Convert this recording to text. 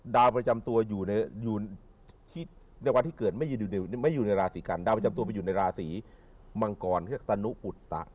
ดาวประจำตัวอยู่ที่ในวันที่เกิดไม่อยู่ในราศีกันดาวประจำตัวไปอยู่ในราศีมังกรตนุปุตตะ